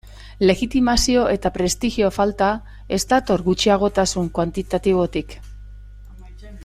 Legitimazio eta prestigio falta ez dator gutxiagotasun kuantitatibotik.